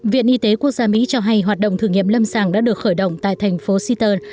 viện y tế quốc gia mỹ cho hay hoạt động thử nghiệm lâm sàng đã được khởi động tại thành phố seattle